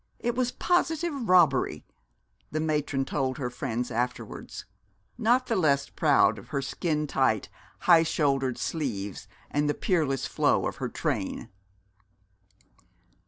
It is positive robbery,' the matron told her friends afterwards, not the less proud of her skin tight high shouldered sleeves and the peerless flow of her train.